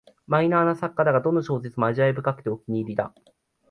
マイナーな作家だが、どの小説も味わい深くてお気に入りだ